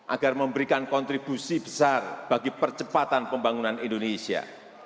agar memberikan kontribusi besar bagi percepatan pembangunan indonesia